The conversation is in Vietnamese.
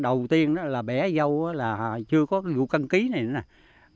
đầu tiên là bẻ dâu là chưa có vụ cân ký này nữa nè